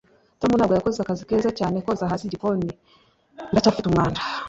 tom ntabwo yakoze akazi keza cyane koza hasi igikoni. biracyafite umwanda